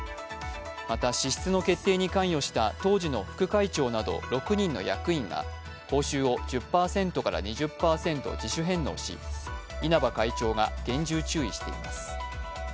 また支出の決定に関与した当時の副会長など６人の役員が報酬を１０％から２０％自主返納し、稲葉会長が厳重注意しています。